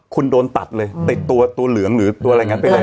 คุณโดนตัดเลยตัวเหลืองหรือตัวอะไรงั้นไปไหน